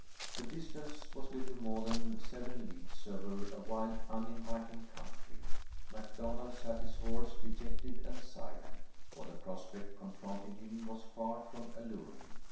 The distance was little more than seven leagues over a wild uninviting country. MacDonald sat his horse dejected and silent, for the prospect confronting him was far from alluring.